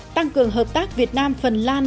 tăng cường hợp tác việt nam phần lan